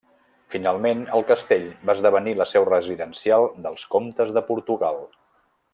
Finalment, el castell, va esdevenir la seu residencial dels Comtes de Portugal.